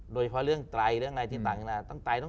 โดยเฉพาะเรื่องไตรเรื่องอะไรที่ต่าง